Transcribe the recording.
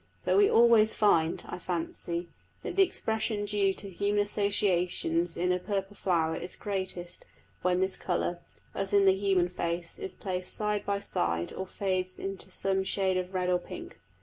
But we always find, I fancy, that the expression due to human association in a purple flower is greatest when this colour (as in the human face) is placed side by side or fades into some shade of red or pink.